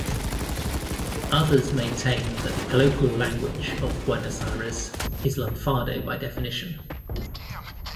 Others maintain that the colloquial language of Buenos Aires is lunfardo by definition.